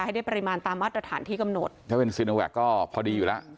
ให้ได้ปริมาณตามมาตรฐานที่กำหนดถ้าเป็นซีโนแวคก็พอดีอยู่แล้ว